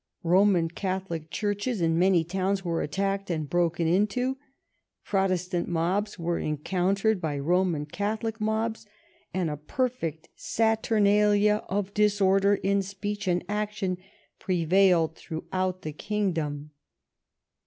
Roman Catholic churches in many towns were attacked and broken into ; Prot estant mobs were encountered by Roman Catholic mobs, and a perfect saturnalia of disorder in speech and in action prevailed throughout the Kingdom.